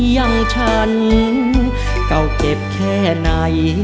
ยังฉันก็เก็บแค่ใน